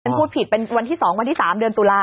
พูดผิดเป็นวันที่๒วันที่๓เดือนตุลา